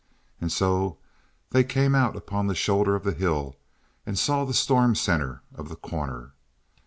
And so they came out upon the shoulder of the hill and saw the storm center of The Corner.